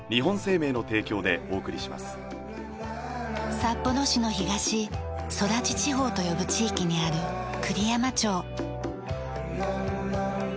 札幌市の東空知地方と呼ぶ地域にある栗山町。